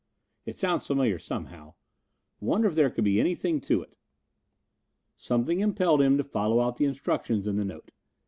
it sounds familiar, somehow. Wonder if there could be anything to it?" Something impelled him to follow out the instructions in the note.